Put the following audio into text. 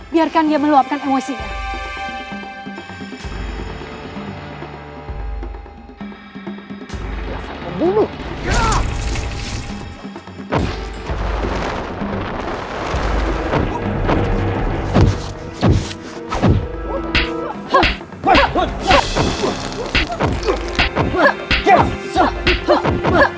biarkan dia meluapkan emosinya